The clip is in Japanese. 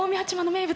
名物。